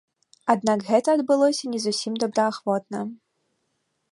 Аднак гэта адбылося не зусім добраахвотна.